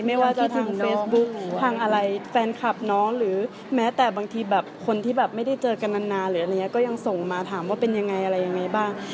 ไม่ว่าจะทางเฟซบุ๊คทางอะไรแฟนคลับน้องหรือแม้แต่บางทีแบบคนที่แบบไม่ได้เจอกันนานหรืออะไรอย่างนี้ก็ยังส่งมาถามว่าเป็นยังไงอะไรยังไงบ้าง